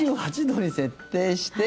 ２８度に設定して